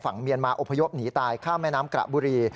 เมียนมาอพยพหนีตายข้ามแม่น้ำกระบุรี